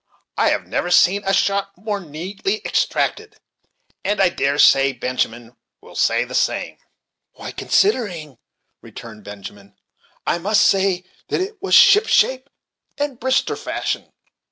I have never seen a shot more neatly extracted; and I dare say Benjamin will say the same." "Why, considering," returned Benjamin, "I must say that it was ship shape and Brister fashion.